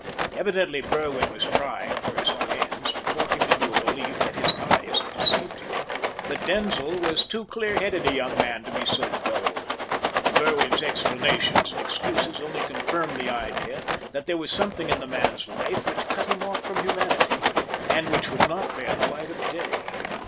Evidently Berwin was trying, for his own ends, to talk him into a belief that his eyes had deceived him; but Denzil was too clear headed a young man to be so gulled. Berwin's explanations and excuses only confirmed the idea that there was something in the man's life which cut him off from humanity, and which would not bear the light of day.